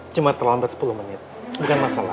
cuma terlambat sepuluh menit bukan masalah